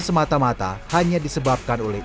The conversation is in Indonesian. semata mata hanya disebabkan oleh